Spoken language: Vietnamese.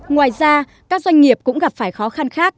ngoài ra các doanh nghiệp cũng gặp phải khó khăn khác